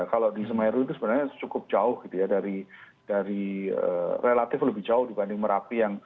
kalau di semeru itu sebenarnya cukup jauh gitu ya dari relatif lebih jauh dibanding merapi yang